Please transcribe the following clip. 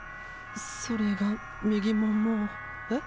それが右ももう。へ？